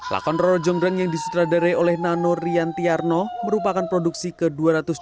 lakon roro jonggrang yang disutradarai oleh nano rian tiarno merupakan perusahaan yang berhasil mengembangkan kembang perusahaan yang tersebut